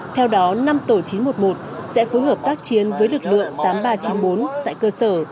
theo đó năm tổ chín một một sẽ phối hợp tác chiến với lực lượng tám ba chín bốn tại cơ sở